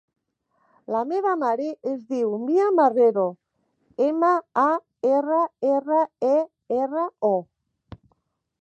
La meva mare es diu Mia Marrero: ema, a, erra, erra, e, erra, o.